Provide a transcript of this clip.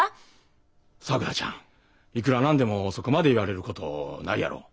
さくらちゃんいくら何でもそこまで言われることないやろ。